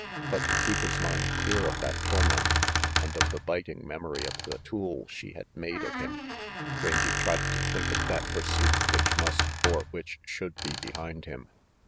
But to keep his mind clear of that torment, and of the biting memory of the tool she had made of him, Rangy tried to think of that pursuit which must, or which should be behind him.